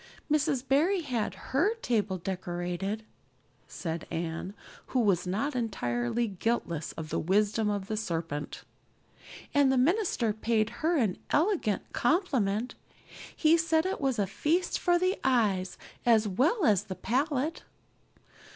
"Mrs. Barry had her table decorated," said Anne, who was not entirely guiltless of the wisdom of the serpent, "and the minister paid her an elegant compliment. He said it was a feast for the eye as well as the palate."